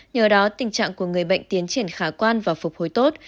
nhờ đó tình trạng của người bệnh tiến triển khả quan và phục hồi tốt